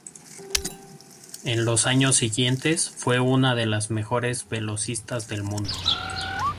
En los siguientes años fue una de las mejores velocistas del mundo.